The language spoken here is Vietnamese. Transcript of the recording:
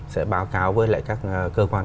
sẽ báo cáo với các cơ quan